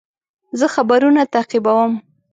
زه خبرونه تعقیبوم.